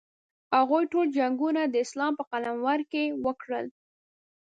هغوی ټول جنګونه د اسلام په قلمرو کې وکړل.